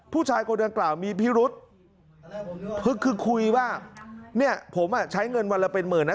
ผู้ชายคนดังกล่าวมีพิรุษคือคุยว่าเนี่ยผมอ่ะใช้เงินวันละเป็นหมื่นนะ